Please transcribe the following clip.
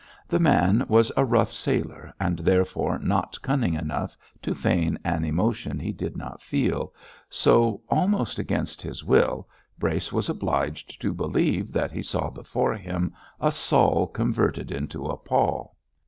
The man was a rough sailor, and therefore not cunning enough to feign an emotion he did not feel, so, almost against his will, Brace was obliged to believe that he saw before him a Saul converted into a Paul.